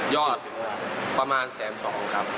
ประมาณแสนสองครับ